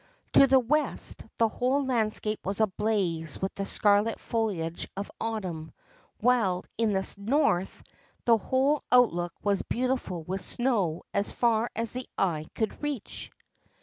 To the west the whole landscape was ablaze with the scarlet foliage of Autumn ; while, in the north, the whole outlook was beautiful with snow as far as the eye could reach.